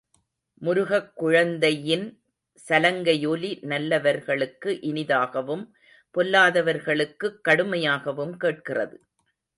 முருகக் குழந்தையின் சலங்கையொலி நல்லவர்களுக்கு இனிதாகவும் பொல்லாதவர்களுக்குக் கடுமையாகவும் கேட்கிறது.